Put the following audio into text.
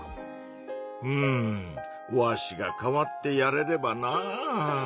うんわしが代わってやれればなぁ。